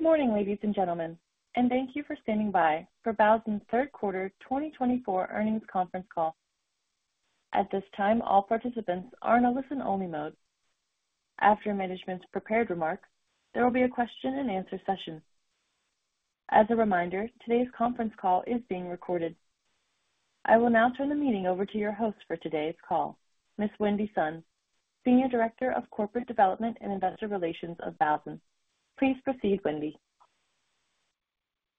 Good morning, ladies and gentlemen, and thank you for standing by for Baozun's Third Quarter 2024 Earnings Conference Call. At this time, all participants are in a listen-only mode. After management's prepared remarks, there will be a question-and-answer session. As a reminder, today's conference call is being recorded. I will now turn the meeting over to your host for today's call, Ms. Wendy Sun, Senior Director of Corporate Development and Investor Relations of Baozun. Please proceed, Wendy.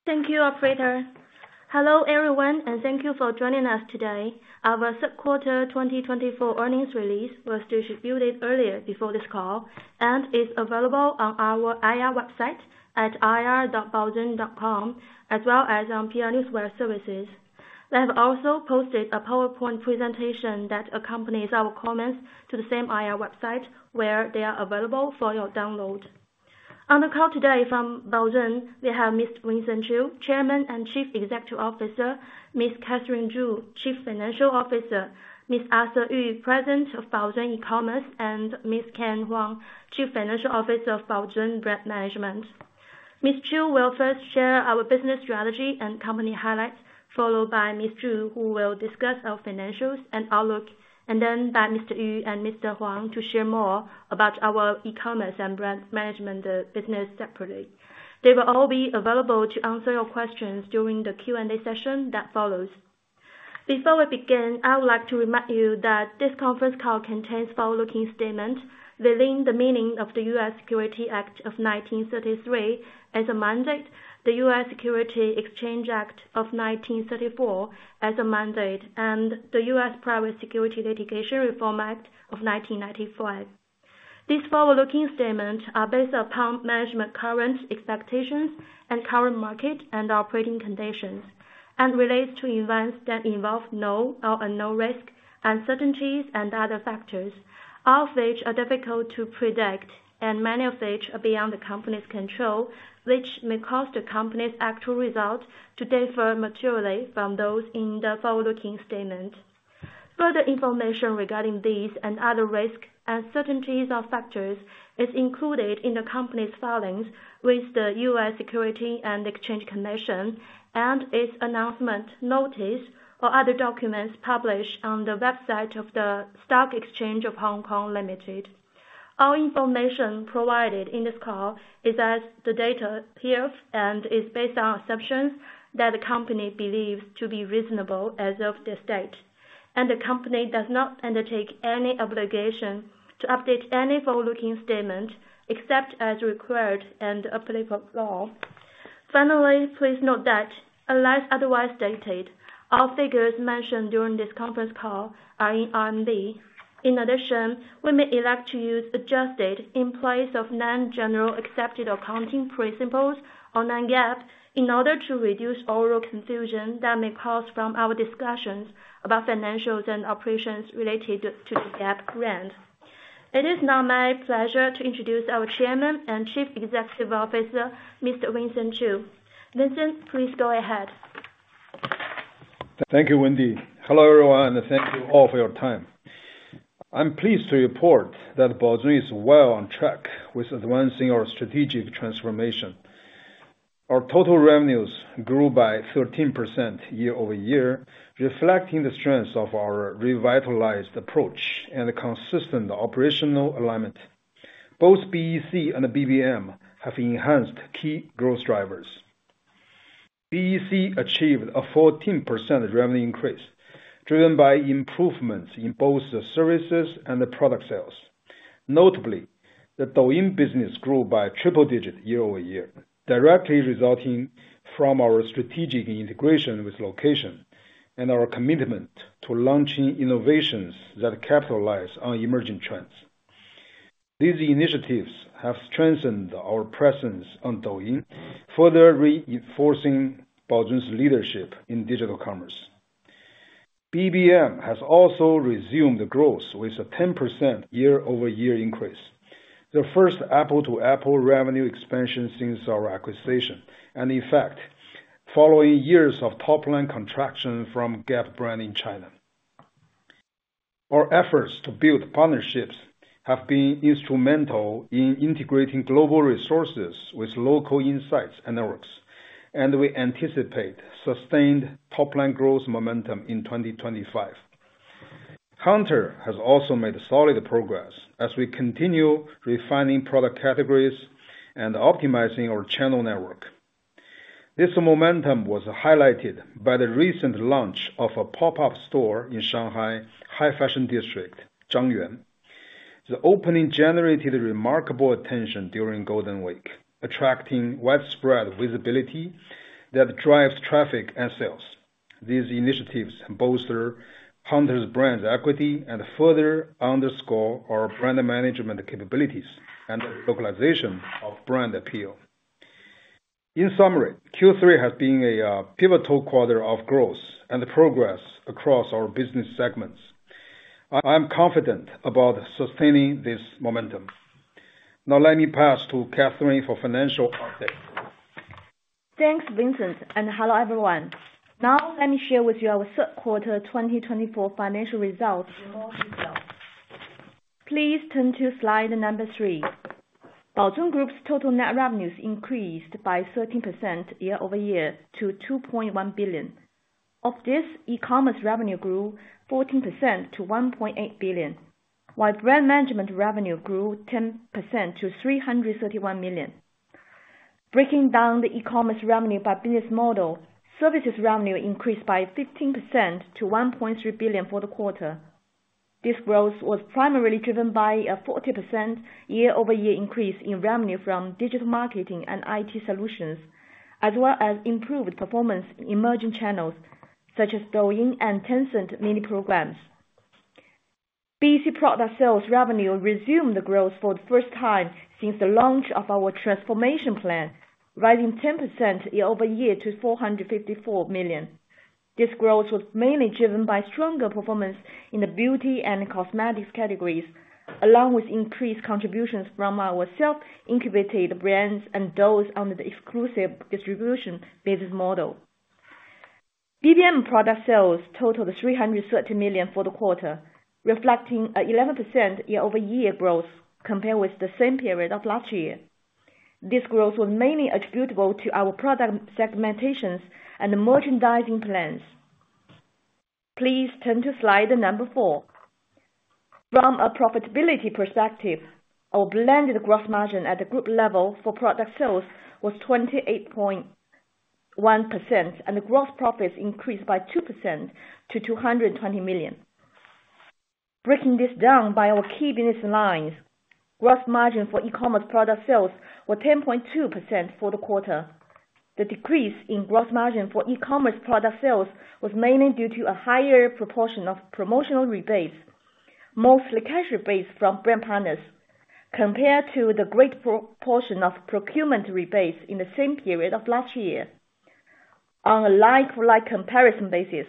Thank you, Operator. Hello everyone, and thank you for joining us today. Our third quarter 2024 earnings release was distributed earlier before this call and is available on our IR website at ir.baozun.com, as well as on PR Newswire services. They have also posted a PowerPoint presentation that accompanies our comments to the same IR website, where they are available for your download. On the call today from Baozun, we have Mr. Wenbin Qiu, Chairman and Chief Executive Officer, Ms. Catherine Zhu, Chief Financial Officer, Mr. Arthur Yu, President of Baozun E-commerce, and Mr. Ken Huang, Chief Financial Officer of Baozun Brand Management. Mr. Qiu will first share our business strategy and company highlights, followed by Ms. Zhu, who will discuss our financials and outlook, and then by Mr. Yu and Mr. Huang to share more about our e-commerce and brand management business separately. They will all be available to answer your questions during the Q&A session that follows. Before we begin, I would like to remind you that this conference call contains forward-looking statements within the meaning of the U.S. Securities Act of 1933, as amended, the U.S. Securities Exchange Act of 1934, as amended, and the U.S. Private Securities Litigation Reform Act of 1995. These forward-looking statements are based upon management's current expectations and current market and operating conditions, and relate to events that involve known or unknown risks, uncertainties, and other factors, all of which are difficult to predict, and many of which are beyond the company's control, which may cause the company's actual results to differ materially from those in the forward-looking statements. Further information regarding these and other risks, uncertainties, or factors is included in the company's filings with the U.S. Securities and Exchange Commission and its announcement, notice, or other documents published on the website of the Stock Exchange of Hong Kong, Limited. All information provided in this call is as the data appears and is based on assumptions that the company believes to be reasonable as of this date, and the company does not undertake any obligation to update any forward-looking statement except as required and applicable. Finally, please note that, unless otherwise stated, all figures mentioned during this conference call are in RMB. In addition, we may elect to use adjusted in place of non-generally accepted accounting principles or non-GAAP in order to reduce overall confusion that may cause from our discussions about financials and operations related to the Gap brand. It is now my pleasure to introduce our Chairman and Chief Executive Officer, Mr. Wenbin Qiu. Wenbin, please go ahead. Thank you, Wendy. Hello, everyone, and thank you all for your time. I'm pleased to report that Baozun is well on track with advancing our strategic transformation. Our total revenues grew by 13% year-over-year, reflecting the strengths of our revitalized approach and consistent operational alignment. Both BEC and BBM have enhanced key growth drivers. BEC achieved a 14% revenue increase driven by improvements in both the services and the product sales. Notably, the Douyin business grew by triple digits year-over-year, directly resulting from our strategic integration with Location and our commitment to launching innovations that capitalize on emerging trends. These initiatives have strengthened our presence on Douyin, further reinforcing Baozun's leadership in digital commerce. BBM has also resumed growth with a 10% year-over-year increase, the first apples-to-apples revenue expansion since our acquisition, and, in fact, following years of top-line contraction from Gap brand in China. Our efforts to build partnerships have been instrumental in integrating global resources with local insights and networks, and we anticipate sustained top-line growth momentum in 2025. Hunter has also made solid progress as we continue refining product categories and optimizing our channel network. This momentum was highlighted by the recent launch of a pop-up store in Shanghai High Fashion District, Zhangyuan. The opening generated remarkable attention during Golden Week, attracting widespread visibility that drives traffic and sales. These initiatives bolster Hunter's brand equity and further underscore our brand management capabilities and localization of brand appeal. In summary, Q3 has been a pivotal quarter of growth and progress across our business segments. I am confident about sustaining this momentum. Now, let me pass to Catherine for financial updates. Thanks, Vincent, and hello everyone. Now, let me share with you our third quarter 2024 financial results in more detail. Please turn to slide number three. Baozun Group's total net revenues increased by 13% year-over-year to 2.1 billion. Of this, e-commerce revenue grew 14% to 1.8 billion, while brand management revenue grew 10% to 331 million. Breaking down the e-commerce revenue by business model, services revenue increased by 15% to 1.3 billion for the quarter. This growth was primarily driven by a 40% year-over-year increase in revenue from digital marketing and IT solutions, as well as improved performance in emerging channels such as Douyin and Tencent Mini Programs. BEC product sales revenue resumed growth for the first time since the launch of our transformation plan, rising 10% year-over-year to 454 million. This growth was mainly driven by stronger performance in the beauty and cosmetics categories, along with increased contributions from our self-incubated brands and those under the exclusive distribution business model. BBM product sales totaled 330 million for the quarter, reflecting an 11% year-over-year growth compared with the same period of last year. This growth was mainly attributable to our product segmentations and merchandising plans. Please turn to slide number four. From a profitability perspective, our blended gross margin at the group level for product sales was 28.1%, and the gross profits increased by 2% to 220 million. Breaking this down by our key business lines, gross margin for e-commerce product sales was 10.2% for the quarter. The decrease in gross margin for e-commerce product sales was mainly due to a higher proportion of promotional rebates, mostly cash rebates from brand partners, compared to the great proportion of procurement rebates in the same period of last year. On a like-for-like comparison basis,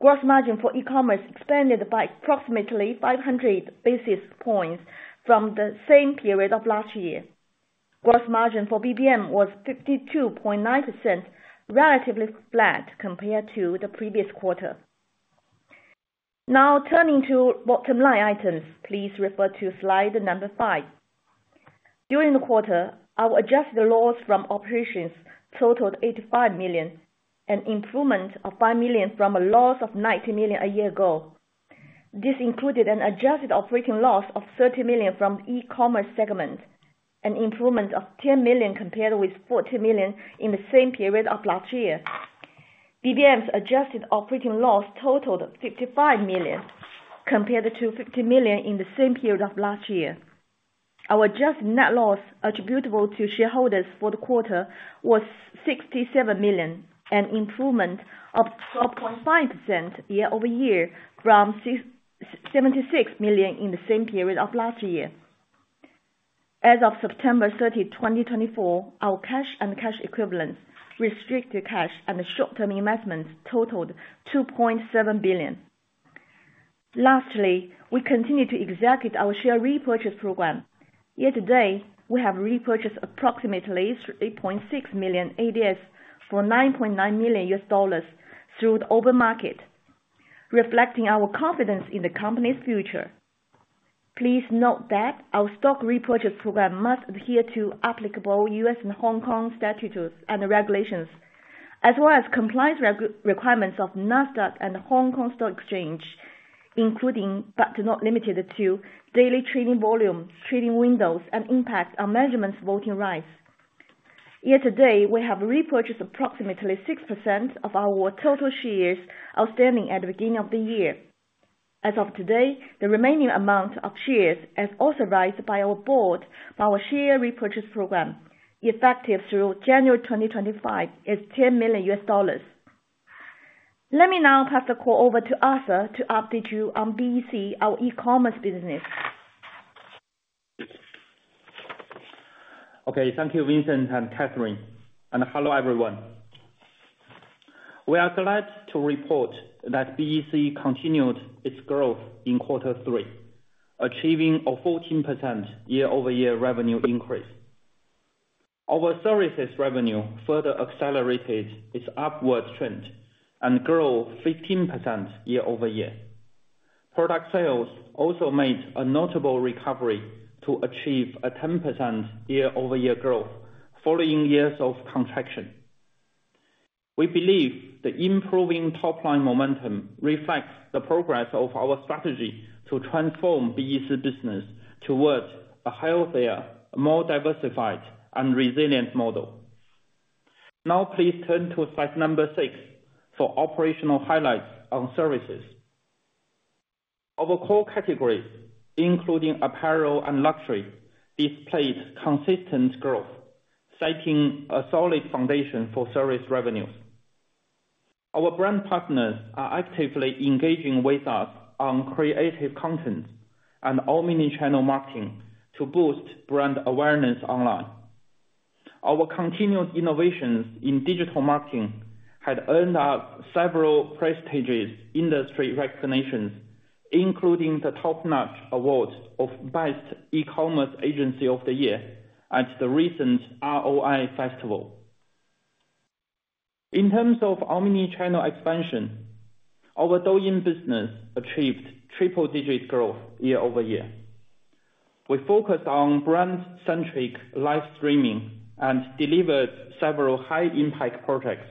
gross margin for e-commerce expanded by approximately 500 basis points from the same period of last year. Gross margin for BBM was 52.9%, relatively flat compared to the previous quarter. Now, turning to bottom-line items, please refer to slide number five. During the quarter, our adjusted loss from operations totaled 85 million, an improvement of 5 million from a loss of 90 million a year ago. This included an adjusted operating loss of 30 million from the e-commerce segment, an improvement of 10 million compared with 40 million in the same period of last year. BBM's adjusted operating loss totaled 55 million compared to 50 million in the same period of last year. Our adjusted net loss attributable to shareholders for the quarter was 67 million, an improvement of 12.5% year-over-year from 76 million in the same period of last year. As of September 30, 2024, our cash and cash equivalents, restricted cash, and short-term investments totaled 2.7 billion. Lastly, we continue to execute our share repurchase program. Yet today, we have repurchased approximately 8.6 million ADS for $9.9 million through the open market, reflecting our confidence in the company's future. Please note that our stock repurchase program must adhere to applicable U.S. and Hong Kong statutes and regulations, as well as compliance requirements of NASDAQ and the Hong Kong Stock Exchange, including, but not limited to, daily trading volumes, trading windows, and impact on management's voting rights. Yet today, we have repurchased approximately 6% of our total shares outstanding at the beginning of the year. As of today, the remaining amount of shares has also been raised by our board for our share repurchase program, effective through January 2025, is $10 million. Let me now pass the call over to Arthur to update you on BEC, our e-commerce business. Okay, thank you, Vincent and Catherine, and hello everyone. We are glad to report that BEC continued its growth in quarter three, achieving a 14% year-over-year revenue increase. Our services revenue further accelerated its upward trend and grew 15% year-over-year. Product sales also made a notable recovery to achieve a 10% year-over-year growth following years of contraction. We believe the improving top-line momentum reflects the progress of our strategy to transform BEC business towards a healthier, more diversified, and resilient model. Now, please turn to slide number six for operational highlights on services. Our core categories, including apparel and luxury, displayed consistent growth, setting a solid foundation for service revenues. Our brand partners are actively engaging with us on creative content and omnichannel marketing to boost brand awareness online. Our continued innovations in digital marketing had earned us several prestigious industry recognitions, including the top-notch award of Best E-commerce Agency of the Year at the recent ROI Festival. In terms of omnichannel expansion, our Douyin business achieved triple-digit growth year-over-year. We focused on brand-centric live streaming and delivered several high-impact projects.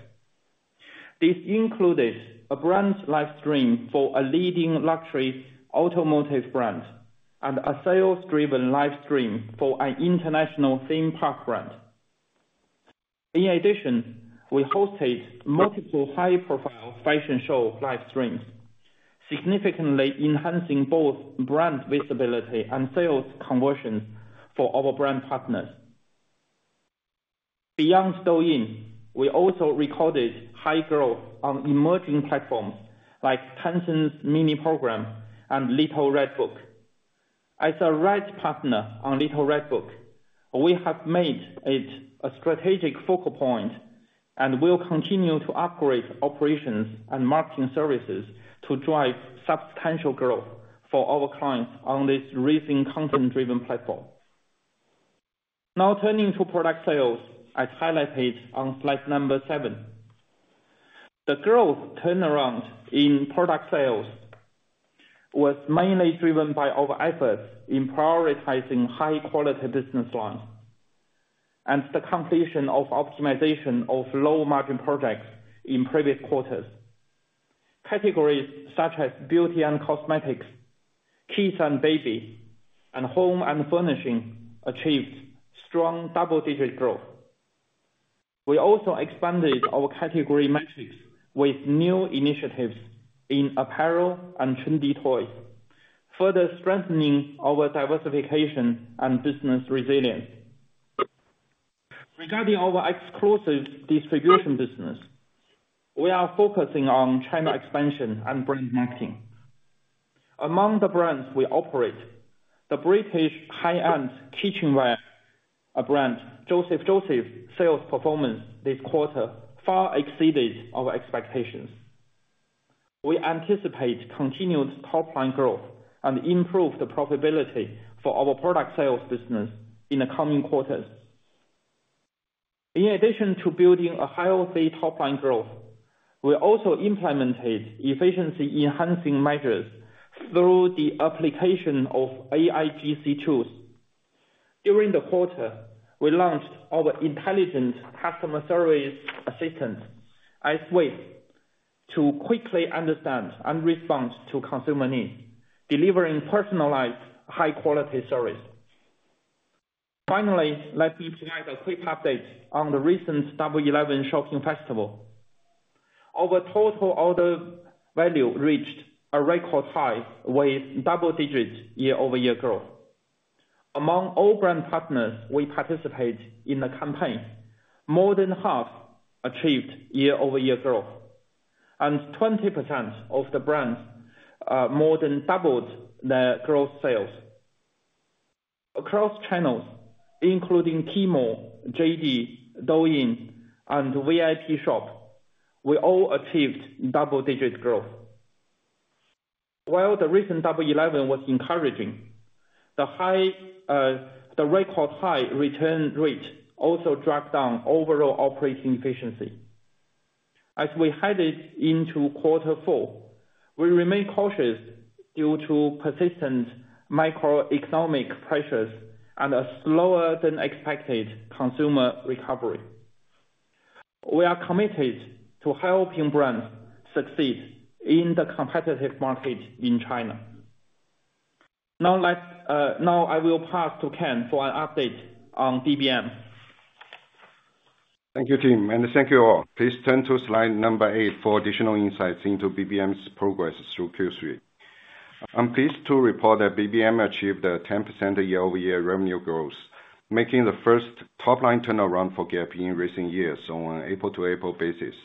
This included a brand live stream for a leading luxury automotive brand and a sales-driven live stream for an international theme park brand. In addition, we hosted multiple high-profile fashion show live streams, significantly enhancing both brand visibility and sales conversions for our brand partners. Beyond Douyin, we also recorded high growth on emerging platforms like Tencent's Mini Program and Little Red Book. As a RED partner on Little Red Book, we have made it a strategic focal point and will continue to upgrade operations and marketing services to drive substantial growth for our clients on this rising content-driven platform. Now, turning to product sales, as highlighted on slide number seven, the growth turnaround in product sales was mainly driven by our efforts in prioritizing high-quality business lines and the completion of optimization of low-margin projects in previous quarters. Categories such as beauty and cosmetics, kids and baby, and home and furnishing achieved strong double-digit growth. We also expanded our category metrics with new initiatives in apparel and trendy toys, further strengthening our diversification and business resilience. Regarding our exclusive distribution business, we are focusing on China expansion and brand marketing. Among the brands we operate, the British high-end kitchenware brand Joseph Joseph's sales performance this quarter far exceeded our expectations. We anticipate continued top-line growth and improved profitability for our product sales business in the coming quarters. In addition to building a healthy top-line growth, we also implemented efficiency-enhancing measures through the application of AIGC tools. During the quarter, we launched our intelligent customer service assistant, IceWave, to quickly understand and respond to consumer needs, delivering personalized, high-quality service. Finally, let me provide a quick update on the recent Double 11 Shopping Festival. Our total order value reached a record high with double-digit year-over-year growth. Among all brand partners we participate in the campaign, more than half achieved year-over-year growth, and 20% of the brands more than doubled their gross sales. Across channels, including Tmall, JD, Douyin, and Vipshop, we all achieved double-digit growth. While the recent Double 11 was encouraging, the record-high return rate also dragged down overall operating efficiency. As we headed into quarter four, we remained cautious due to persistent macroeconomic pressures and a slower-than-expected consumer recovery. We are committed to helping brands succeed in the competitive market in China. Now, I will pass to Ken for an update on BBM. Thank you, Jun, and thank you all. Please turn to slide number eight for additional insights into BBM's progress through Q3. I'm pleased to report that BBM achieved a 10% year-over-year revenue growth, making the first top-line turnaround for Gap in recent years on an April-to-April basis.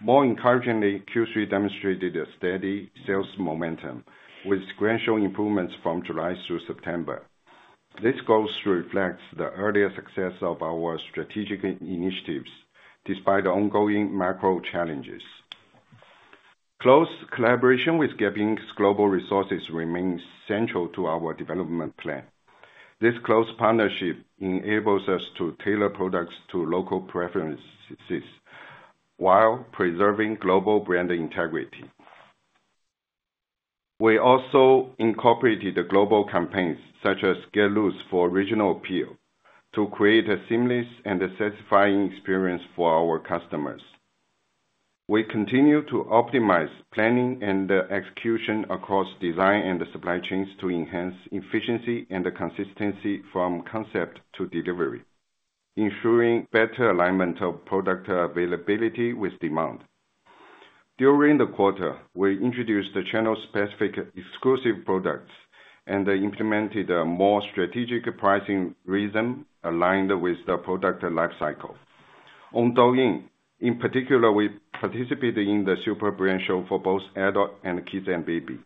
More encouragingly, Q3 demonstrated a steady sales momentum with gradual improvements from July through September. This growth reflects the earlier success of our strategic initiatives despite ongoing macro challenges. Close collaboration with Gap Inc.'s global resources remains central to our development plan. This close partnership enables us to tailor products to local preferences while preserving global brand integrity. We also incorporated global campaigns such as Get Loose for original appeal to create a seamless and satisfying experience for our customers. We continue to optimize planning and execution across design and supply chains to enhance efficiency and consistency from concept to delivery, ensuring better alignment of product availability with demand. During the quarter, we introduced channel-specific exclusive products and implemented a more strategic pricing reason aligned with the product lifecycle. On Douyin, in particular, we participated in the super brand show for both adult and kids and baby,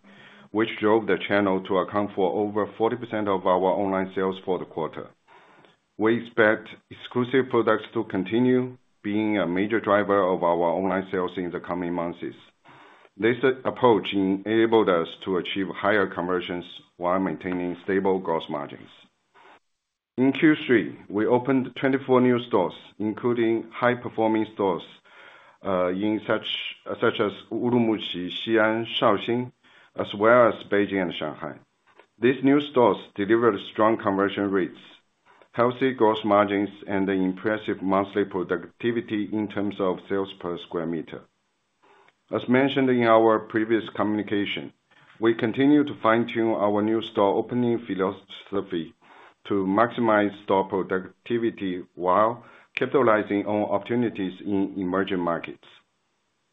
which drove the channel to account for over 40% of our online sales for the quarter. We expect exclusive products to continue being a major driver of our online sales in the coming months. This approach enabled us to achieve higher conversions while maintaining stable gross margins. In Q3, we opened 24 new stores, including high-performing stores such as Urumqi, Xi'an, Shaoxing, as well as Beijing and Shanghai. These new stores delivered strong conversion rates, healthy gross margins, and impressive monthly productivity in terms of sales per square meter. As mentioned in our previous communication, we continue to fine-tune our new store opening philosophy to maximize store productivity while capitalizing on opportunities in emerging markets.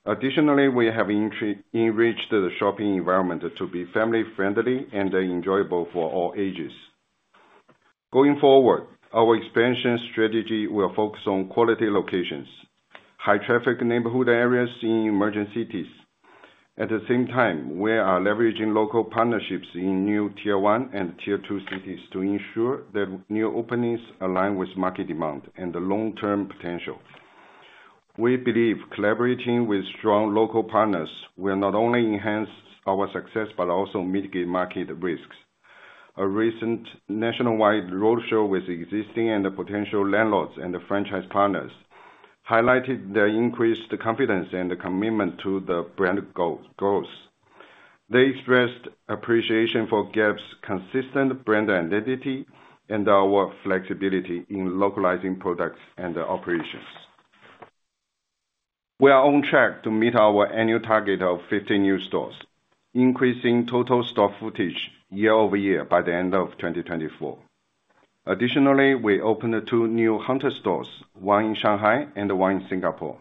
Additionally, we have enriched the shopping environment to be family-friendly and enjoyable for all ages. Going forward, our expansion strategy will focus on quality locations, high-traffic neighborhood areas in emerging cities. At the same time, we are leveraging local partnerships in new Tier 1 and Tier 2 cities to ensure that new openings align with market demand and the long-term potential. We believe collaborating with strong local partners will not only enhance our success but also mitigate market risks. A recent nationwide roadshow with existing and potential landlords and franchise partners highlighted the increased confidence and commitment to the brand goals. They expressed appreciation for Gap's consistent brand identity and our flexibility in localizing products and operations. We are on track to meet our annual target of 50 new stores, increasing total store footage year-over-year by the end of 2024. Additionally, we opened two new Hunter stores, one in Shanghai and one in Singapore,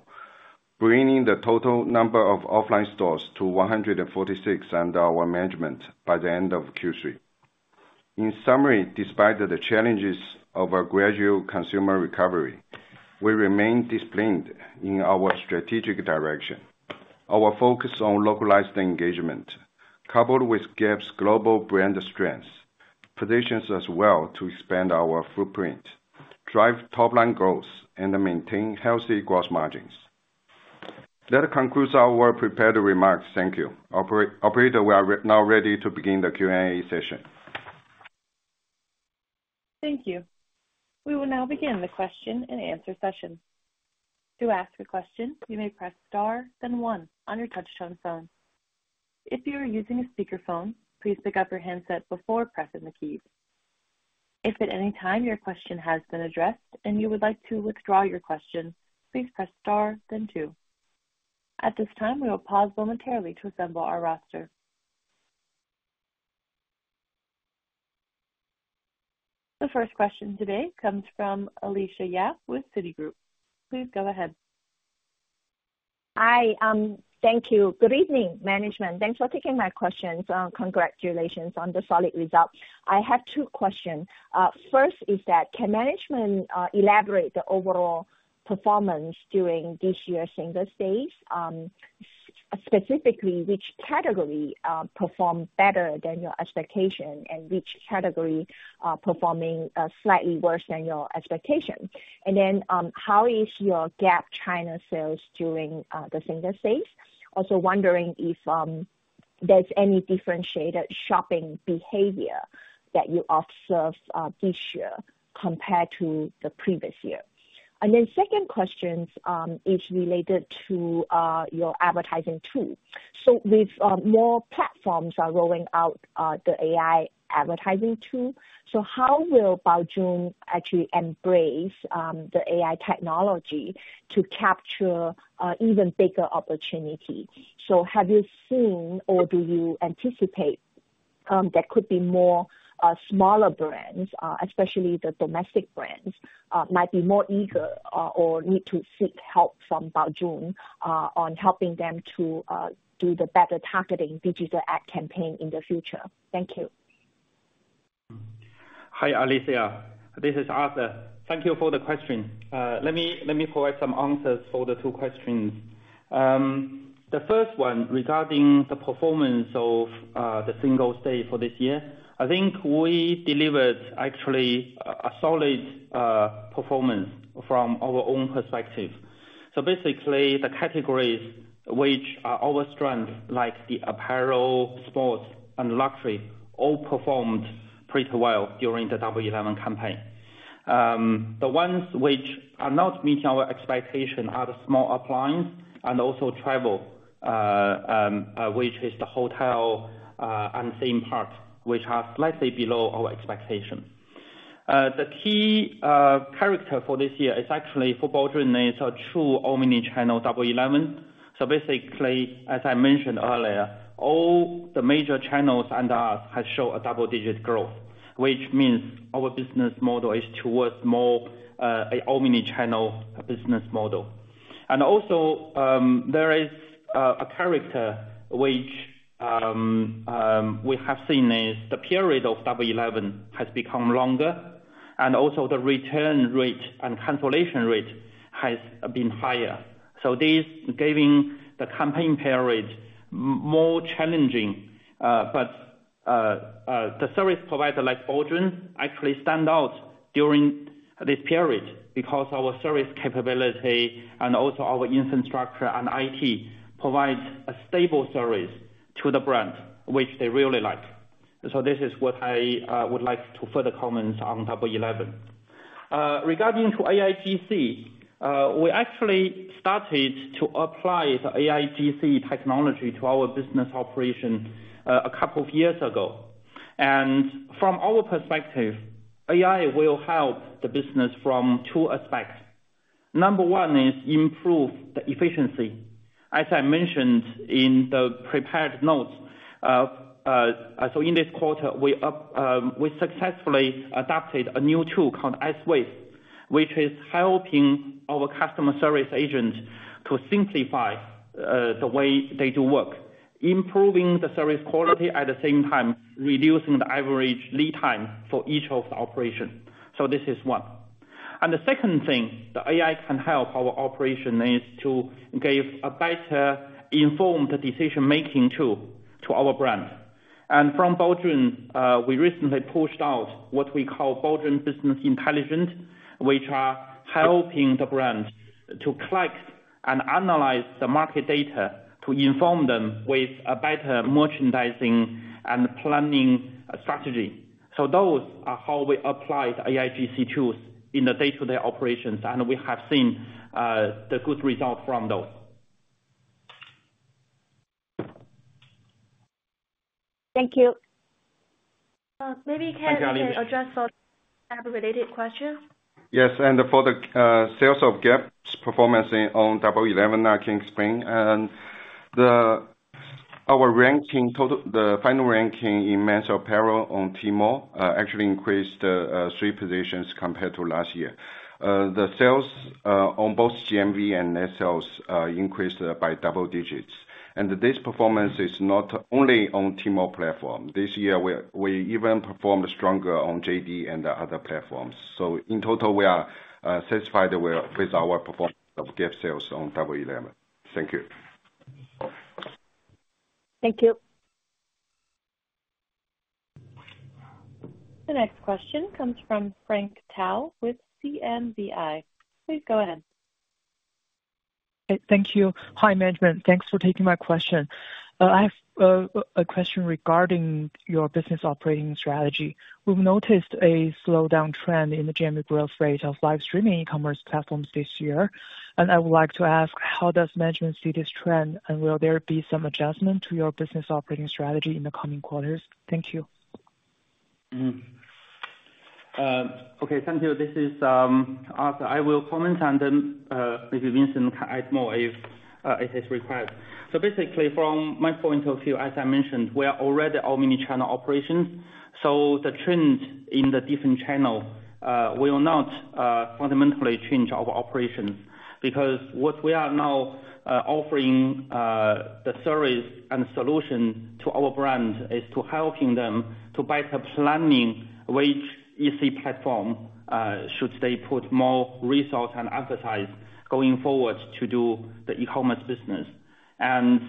bringing the total number of offline stores to 146 under our management by the end of Q3. In summary, despite the challenges of a gradual consumer recovery, we remain disciplined in our strategic direction. Our focus on localized engagement, coupled with Gap's global brand strengths, positions us well to expand our footprint, drive top-line growth, and maintain healthy gross margins. That concludes our prepared remarks. Thank you. Operator, we are now ready to begin the Q&A session. Thank you. We will now begin the question-and-answer session. To ask a question, you may press star, then one on your touch-tone phone. If you are using a speakerphone, please pick up your handset before pressing the keys. If at any time your question has been addressed and you would like to withdraw your question, please press star, then two. At this time, we will pause momentarily to assemble our roster. The first question today comes from Alicia Yap with Citigroup. Please go ahead. Hi, thank you. Good evening, management. Thanks for taking my questions. Congratulations on the solid result. I have two questions. First is that, can management elaborate the overall performance during this year's Singles' Day? Specifically, which category performed better than your expectation, and which category performing slightly worse than your expectation? And then, how is your Gap China sales during the Singles' Day? Also wondering if there's any differentiated shopping behavior that you observe this year compared to the previous year. And then second question is related to your advertising tool. So with more platforms rolling out the AI advertising tool, so how will Baozun actually embrace the AI technology to capture even bigger opportunity? So have you seen or do you anticipate there could be more smaller brands, especially the domestic brands, might be more eager or need to seek help from Baozun on helping them to do the better targeting digital ad campaign in the future? Thank you. Hi, Alicia. This is Arthur. Thank you for the question. Let me provide some answers for the two questions. The first one regarding the performance of Singles' Day for this year, I think we delivered actually a solid performance from our own perspective. So basically, the categories which are our strength, like the apparel, sports, and luxury, all performed pretty well during the Double 11 campaign. The ones which are not meeting our expectation are the small appliance and also travel, which is the hotel and theme park, which are slightly below our expectation. The key characteristic for this year is actually for Baozun, it's a true omni-channel Double 11. So basically, as I mentioned earlier, all the major channels and us have shown a double-digit growth, which means our business model is towards more an omni-channel business model. There is also a characteristic which we have seen: the period of Double 11 has become longer, and the return rate and cancellation rate have been higher. This is giving the campaign period more challenging, but the service provider like Baozun actually stands out during this period because our service capability and also our infrastructure and IT provides a stable service to the brand, which they really like. This is what I would like to further comment on Double 11. Regarding AIGC, we actually started to apply the AIGC technology to our business operation a couple of years ago. From our perspective, AI will help the business from two aspects. Number one is improve the efficiency. As I mentioned in the prepared notes, so in this quarter, we successfully adopted a new tool called IceWave, which is helping our customer service agent to simplify the way they do work, improving the service quality at the same time reducing the average lead time for each of the operations, so this is one. And the second thing, the AI can help our operation is to give a better informed decision-making tool to our brand. And from Baozun, we recently pushed out what we call Baozun Business Intelligence, which is helping the brand to collect and analyze the market data to inform them with a better merchandising and planning strategy, so those are how we applied AIGC tools in the day-to-day operations, and we have seen the good results from those. Thank you. Maybe Ken will address related questions. Yes, and for the sales of Gap's performance on Double 11, I can explain. Our ranking, the final ranking in men's apparel on Tmall actually increased three positions compared to last year. The sales on both GMV and sales increased by double digits, and this performance is not only on Tmall platform. This year, we even performed stronger on JD and other platforms, so in total, we are satisfied with our performance of Gap sales on Double 11. Thank you. Thank you. The next question comes from Frank Tao with CMBI. Please go ahead. Thank you. Hi, management. Thanks for taking my question. I have a question regarding your business operating strategy. We've noticed a slowdown trend in the GMV growth rate of live streaming e-commerce platforms this year. And I would like to ask, how does management see this trend, and will there be some adjustment to your business operating strategy in the coming quarters? Thank you. Okay. Thank you. This is Arthur. I will comment on them. Maybe Vincent can add more if it is required. So basically, from my point of view, as I mentioned, we are already omnichannel operations. So the trend in the different channels will not fundamentally change our operations because what we are now offering, the service and solution to our brand, is to helping them to better planning which is the platform should they put more resource and emphasize going forward to do the e-commerce business. And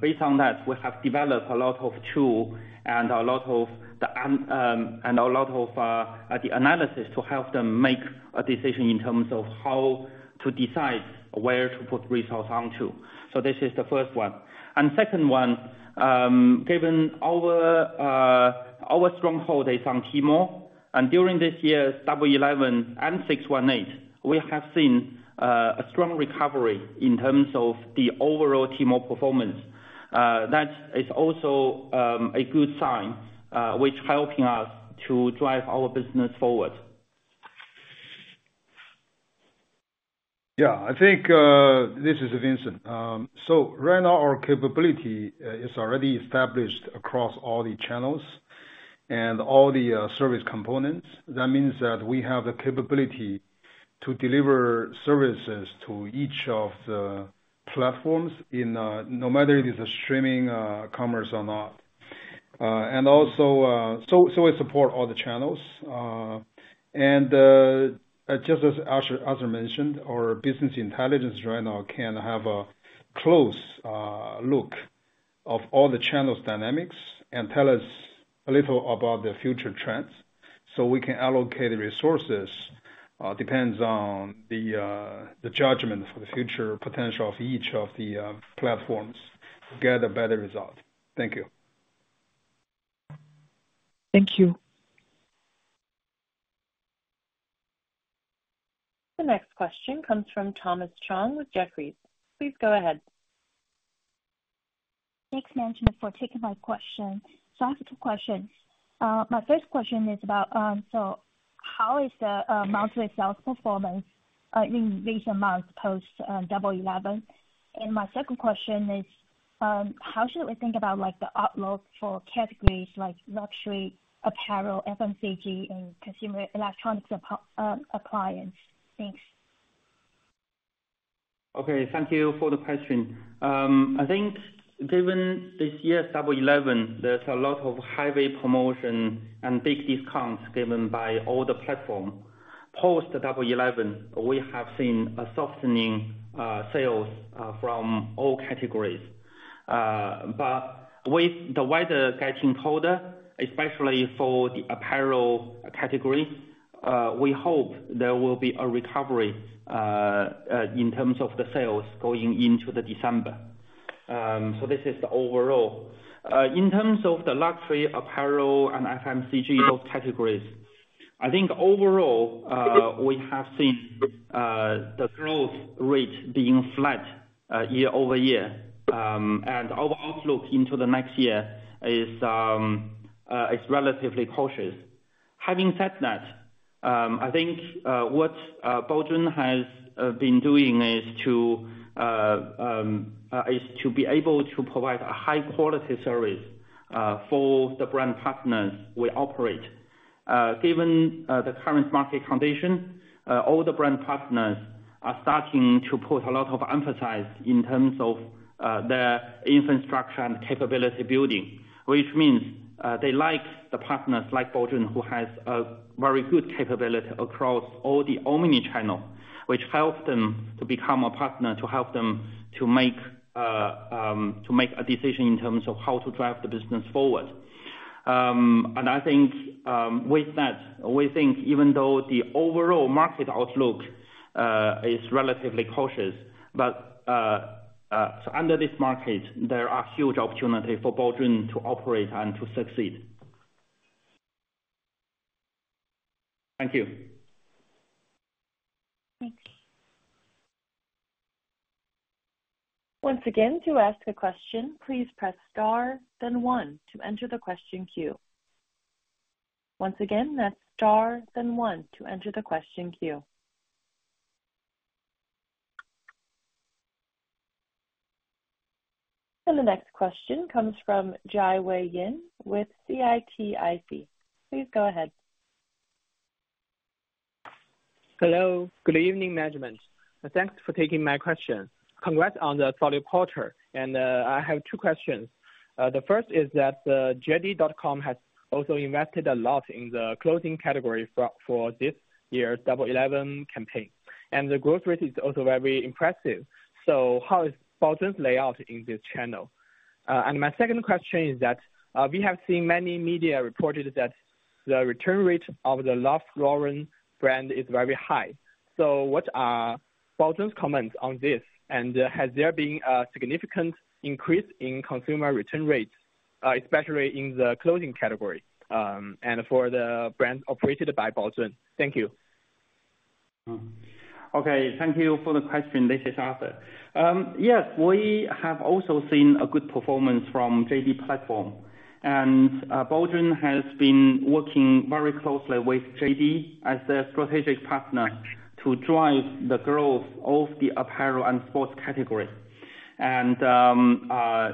based on that, we have developed a lot of tools and a lot of the analysis to help them make a decision in terms of how to decide where to put resource onto. So this is the first one. Second one, given our stronghold is on Tmall, and during this year, Double 11 and 618, we have seen a strong recovery in terms of the overall Tmall performance. That is also a good sign, which is helping us to drive our business forward. Yeah. I think this is Vincent. So right now, our capability is already established across all the channels and all the service components. That means that we have the capability to deliver services to each of the platforms, no matter if it's a streaming commerce or not. And also, so we support all the channels. And just as Arthur mentioned, our business intelligence right now can have a close look at all the channels' dynamics and tell us a little about the future trends so we can allocate resources depending on the judgment for the future potential of each of the platforms to get a better result. Thank you. Thank you. The next question comes from Thomas Chong with Jefferies. Please go ahead. Thanks, management, for taking my question. So I have two questions. My first question is about how is the monthly sales performance in recent months post Double 11? And my second question is, how should we think about the outlook for categories like luxury, apparel, FMCG, and consumer electronics appliance? Thanks. Okay. Thank you for the question. I think given this year's Double 11, there's a lot of highway promotion and big discounts given by all the platforms. Post Double 11, we have seen a softening sales from all categories. But with the weather getting colder, especially for the apparel category, we hope there will be a recovery in terms of the sales going into December. So this is the overall. In terms of the luxury, apparel, and FMCG, those categories, I think overall, we have seen the growth rate being flat year-over-year. And our outlook into the next year is relatively cautious. Having said that, I think what Baozun has been doing is to be able to provide a high-quality service for the brand partners we operate. Given the current market condition, all the brand partners are starting to put a lot of emphasis in terms of their infrastructure and capability building, which means they like the partners like Baozun, who has a very good capability across all the omnichannel, which helps them to become a partner to help them to make a decision in terms of how to drive the business forward, and I think with that, we think even though the overall market outlook is relatively cautious, but under this market, there are huge opportunities for Baozun to operate and to succeed. Thank you. Thanks. Once again, to ask a question, please press star, then one to enter the question queue. Once again, that's star, then one to enter the question queue. And the next question comes from Jiawei Yin with CITIC. Please go ahead. Hello. Good evening, management. Thanks for taking my question. Congrats on the solid quarter, and I have two questions. The first is that JD.com has also invested a lot in the clothing category for this year's Double 11 campaign, and the growth rate is also very impressive, so how is Baozun's layout in this channel? And my second question is that we have seen many media reported that the return rate of the Ralph Lauren brand is very high, so what are Baozun's comments on this, and has there been a significant increase in consumer return rates, especially in the clothing category and for the brands operated by Baozun? Thank you. Okay. Thank you for the question. This is Arthur. Yes, we have also seen a good performance from JD platform. And Baozun has been working very closely with JD as their strategic partner to drive the growth of the apparel and sports category. And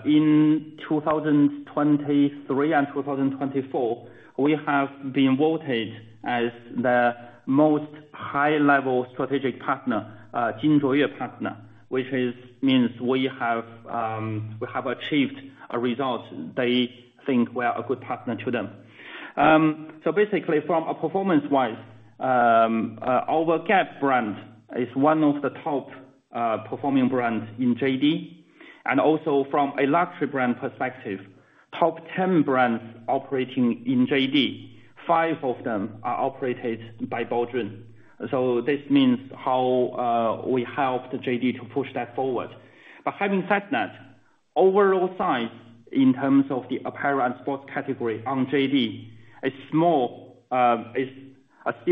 in 2023 and 2024, we have been voted as the most high-level strategic partner, Jin Zhu Yu partner, which means we have achieved a result they think we are a good partner to them. So basically, from a performance-wise, our Gap brand is one of the top-performing brands in JD. And also, from a luxury brand perspective, top 10 brands operating in JD, five of them are operated by Baozun. So this means how we helped JD to push that forward. But having said that, overall size in terms of the apparel and sports category on JD is still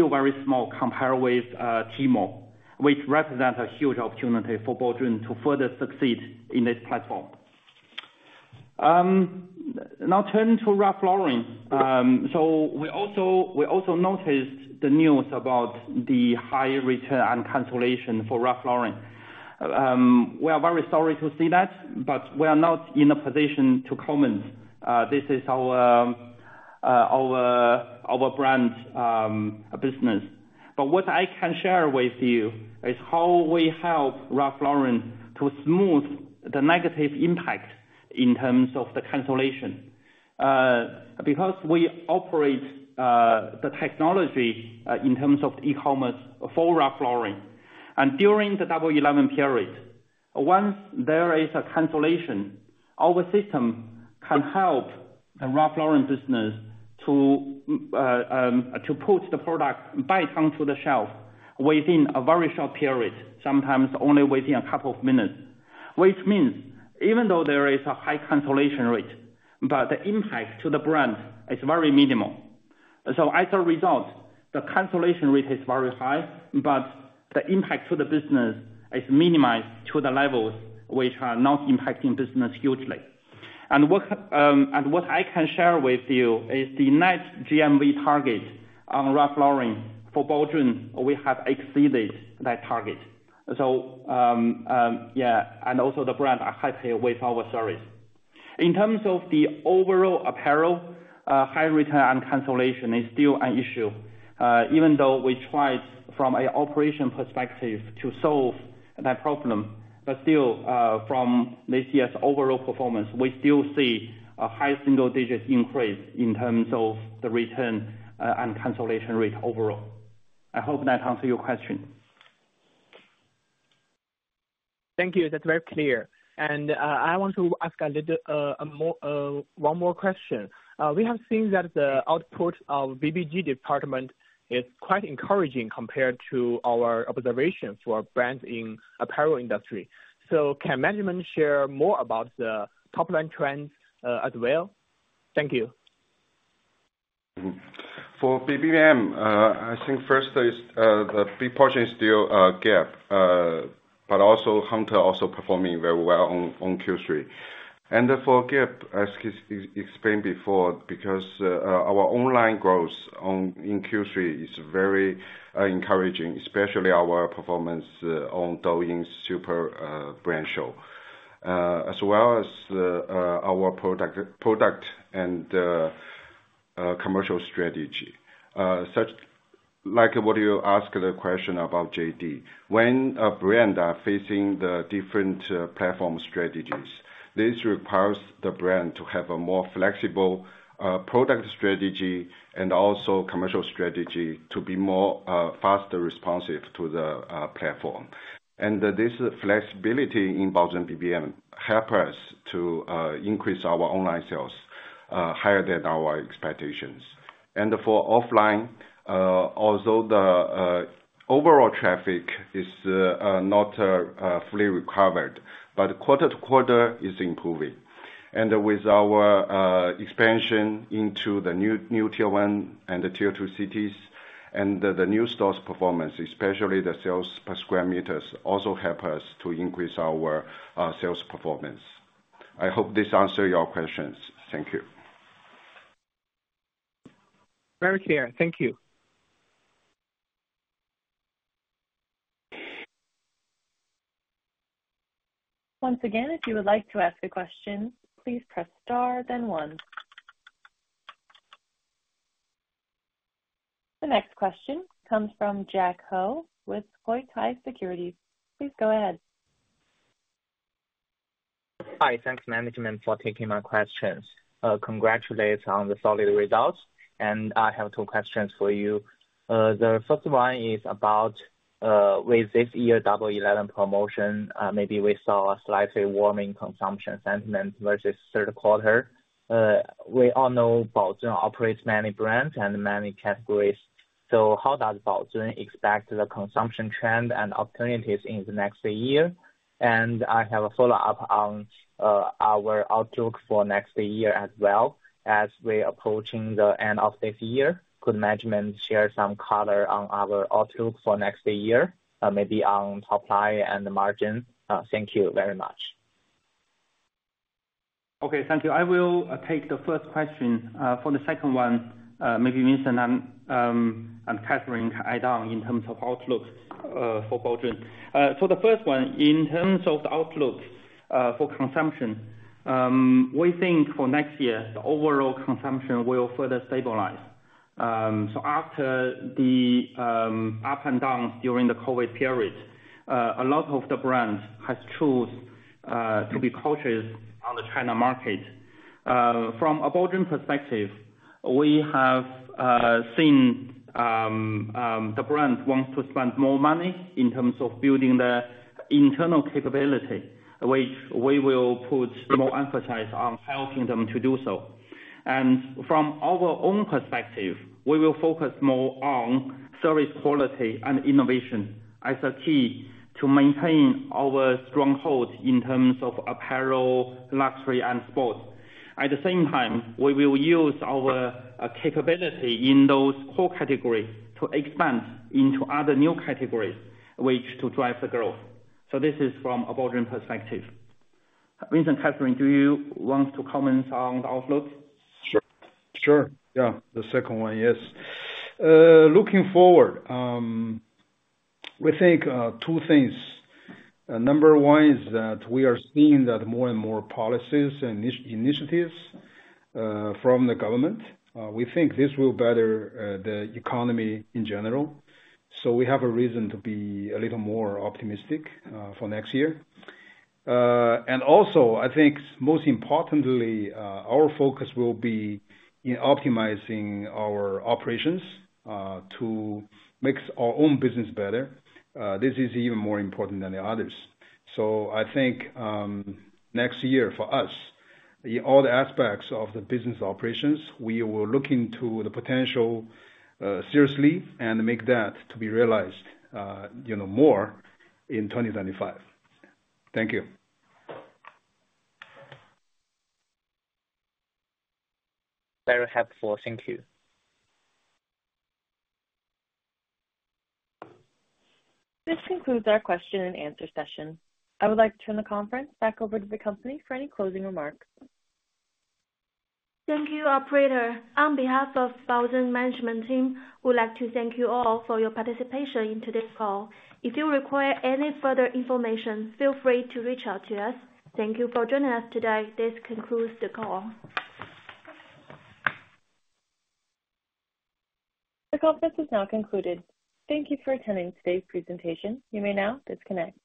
very small compared with Tmall, which represents a huge opportunity for Baozun to further succeed in this platform. Now, turning to Ralph Lauren. So we also noticed the news about the high return and cancellation for Ralph Lauren. We are very sorry to see that, but we are not in a position to comment. This is our brand business. But what I can share with you is how we help Ralph Lauren to smooth the negative impact in terms of the cancellation. Because we operate the technology in terms of e-commerce for Ralph Lauren. During the Double 11 period, once there is a cancellation, our system can help the Ralph Lauren business to put the product back onto the shelf within a very short period, sometimes only within a couple of minutes, which means even though there is a high cancellation rate, but the impact to the brand is very minimal. As a result, the cancellation rate is very high, but the impact to the business is minimized to the levels which are not impacting business hugely. What I can share with you is the net GMV target on Ralph Lauren for Baozun. We have exceeded that target. Yeah. Also, the brand are happy with our service. In terms of the overall apparel, high return and cancellation is still an issue. Even though we tried from an operation perspective to solve that problem, but still, from this year's overall performance, we still see a high single-digit increase in terms of the return and cancellation rate overall. I hope that answers your question. Thank you. That's very clear. And I want to ask one more question. We have seen that the output of BBM department is quite encouraging compared to our observations for brands in the apparel industry. So can management share more about the top-line trends as well? Thank you. For BBM, I think first, the big portion is still Gap, but Hunter is also performing very well on Q3, and for Gap, as explained before, because our online growth in Q3 is very encouraging, especially our performance on Douyin Super Brand Show, as well as our product and commercial strategy. Like what you asked, the question about JD, when a brand is facing the different platform strategies, this requires the brand to have a more flexible product strategy and also commercial strategy to be more faster responsive to the platform. And this flexibility in Baozun BBM helps us to increase our online sales higher than our expectations, and for offline, although the overall traffic is not fully recovered, but quarter to quarter is improving. With our expansion into the new Tier 1 and Tier 2 cities and the new stores' performance, especially the sales per square meters, also helps us to increase our sales performance. I hope this answers your questions. Thank you. Very clear. Thank you. Once again, if you would like to ask a question, please press star, then one. The next question comes from Jack Ho with Guotai Junan Securities. Please go ahead. Hi. Thanks, management, for taking my questions. Congratulations on the solid results, and I have two questions for you. The first one is about with this year's Double 11 promotion, maybe we saw a slightly warming consumption sentiment versus third quarter. We all know Baozun operates many brands and many categories, so how does Baozun expect the consumption trend and opportunities in the next year, and I have a follow-up on our outlook for next year as well. As we're approaching the end of this year, could management share some color on our outlook for next year, maybe on supply and margin? Thank you very much. Okay. Thank you. I will take the first question. For the second one, maybe Vincent and Catherine can add on in terms of outlook for Baozun. For the first one, in terms of the outlook for consumption, we think for next year, the overall consumption will further stabilize. So after the ups and downs during the COVID period, a lot of the brands have chosen to be cautious on the China market. From a Baozun perspective, we have seen the brand wants to spend more money in terms of building the internal capability, which we will put more emphasis on helping them to do so. And from our own perspective, we will focus more on service quality and innovation as a key to maintain our stronghold in terms of apparel, luxury, and sports. At the same time, we will use our capability in those core categories to expand into other new categories, which will drive the growth. So this is from a Baozun perspective. Vincent, Catherine, do you want to comment on the outlook? Sure. Yeah. The second one, yes. Looking forward, we think two things. Number one is that we are seeing more and more policies and initiatives from the government. We think this will better the economy in general. So we have a reason to be a little more optimistic for next year. And also, I think most importantly, our focus will be in optimizing our operations to make our own business better. This is even more important than the others. So I think next year for us, in all the aspects of the business operations, we will look into the potential seriously and make that to be realized more in 2025. Thank you. Very helpful. Thank you. This concludes our question-and-answer session. I would like to turn the conference back over to the company for any closing remarks. Thank you, operator. On behalf of Baozun management team, we'd like to thank you all for your participation in today's call. If you require any further information, feel free to reach out to us. Thank you for joining us today. This concludes the call. The conference is now concluded. Thank you for attending today's presentation. You may now disconnect.